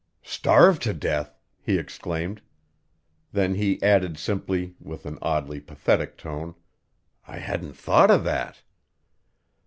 "Starve to death?" he exclaimed. Then he added simply, with an oddly pathetic tone: "I hadn't thought of that."